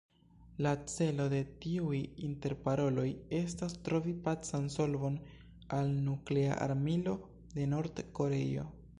La celo de tiuj interparoloj estas trovi pacan solvon al Nuklea Armilo de Nord-Koreio.